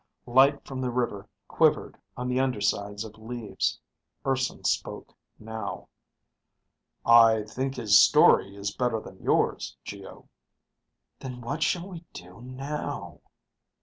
Light from the river quivered on the undersides of leaves. Urson spoke now. "I think his story is better than yours, Geo." "Then what shall we do now?"